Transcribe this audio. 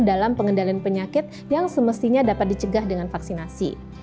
dalam pengendalian penyakit yang semestinya dapat dicegah dengan vaksinasi